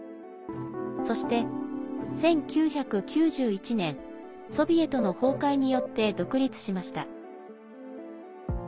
そして１９９１年、ソビエトの崩壊によって独立しました。